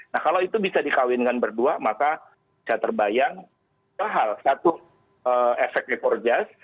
nah kalau itu bisa dikawinkan berdua maka bisa terbayang mahal satu efek report jas